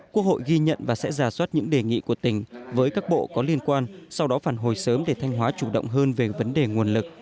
quốc hội ghi nhận và sẽ giả soát những đề nghị của tỉnh với các bộ có liên quan sau đó phản hồi sớm để thanh hóa chủ động hơn về vấn đề nguồn lực